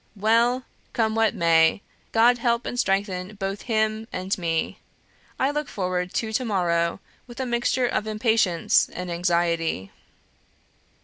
Well! come what may, God help and strengthen both him and me! I look forward to to morrow with a mixture of impatience and anxiety."